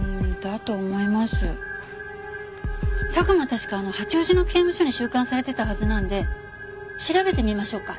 確か八王子の刑務所に収監されてたはずなんで調べてみましょうか。